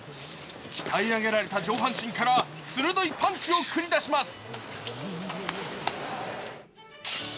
鍛え上げられた上半身から鋭いパンチを繰り出します。